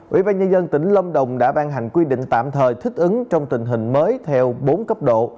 ủy ban nhân dân tỉnh lâm đồng đã ban hành quy định tạm thời thích ứng trong tình hình mới theo bốn cấp độ